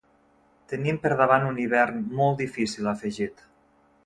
Tenim per davant un hivern molt difícil, ha afegit.